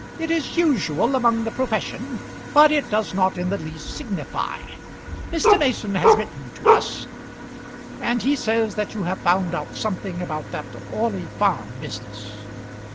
It is usual among the profession; but it does not in the least signify. Mr. Mason has written to us, and he says that you have found out something about that Orley Farm business."